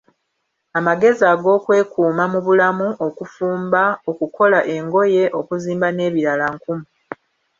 Amagezi ag'okwekuuma mu bulamu , okufumba, okukola engoye, okuzimba n'ebirala nkumu.